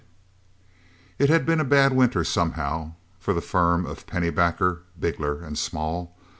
It had been a bad winter, somehow, for the firm of Pennybacker, Bigler and Small.